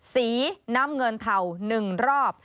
สีน้ำเงินเทา๑รอบ